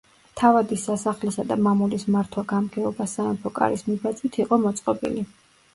თავადის სასახლისა და მამულის მართვა-გამგეობა სამეფო კარის მიბაძვით იყო მოწყობილი.